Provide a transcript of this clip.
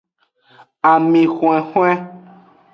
Ami hwenhwen.